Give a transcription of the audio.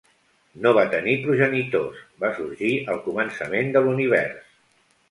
No va tenir progenitors: va sorgir al començament de l'Univers.